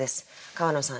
川野さん